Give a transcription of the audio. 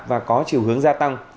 và có chiều hướng gia tăng